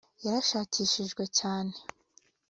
yarashakishijwe cyane